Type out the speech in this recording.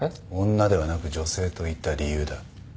「女」ではなく「女性」と言った理由だ。